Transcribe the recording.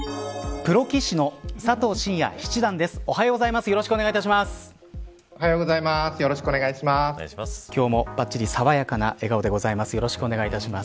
プロ棋士の佐藤紳哉七段です。